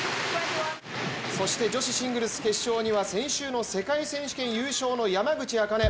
そして女子シングルス決勝には先週の世界選手権優勝の山口茜。